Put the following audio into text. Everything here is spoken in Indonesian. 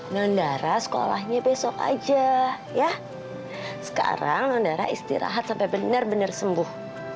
nondara sekolahnya besok aja ya sekarang nondara istirahat sampai bener bener sembuh